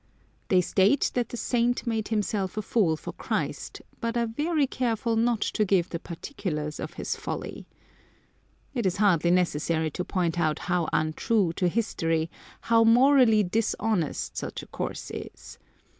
They state that the saint made himself a fool for Christ, but are very careful not to give the particulars of his folly. It is hardly necessary to point out how untrue to history, how morally dishonest, such a course is.